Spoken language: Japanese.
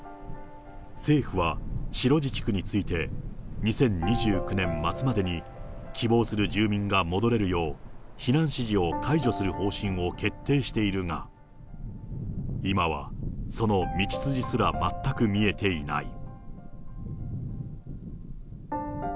政府は、白地地区について、２０２９年末までに希望する住民が戻れるよう避難指示を解除する方針を決定しているが、今は、その道筋すら全く見えていない。